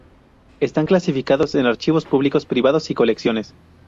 Están clasificados en archivos públicos, privados y colecciones.